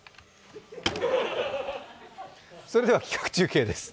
それでは企画中継です。